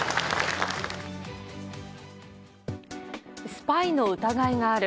スパイの疑いがある。